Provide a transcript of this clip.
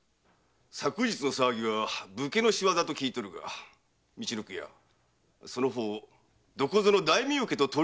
昨日の騒ぎは武家の仕業と聞いておるが陸奥屋その方どこぞの大名家と取り引きはないか？